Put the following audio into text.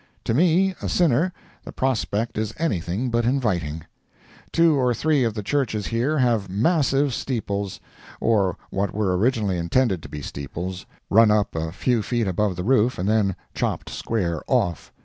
To me, a sinner, the prospect is anything but inviting. Two or three of the churches here have massive steeples—or what were originally intended to be steeples—run up a few feet above the roof and then chopped square off.